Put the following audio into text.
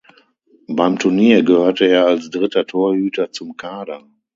Beim Turnier gehörte er als dritter Torhüter zum Kader.